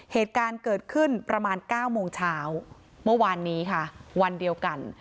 เหตุการณ์เกิดขึ้นประมาณ๙โมงเช้าเมื่อวานนี้ค่ะวันเดียวกัน